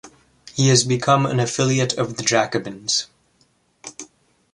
He is become an affiliate of the Jacobins.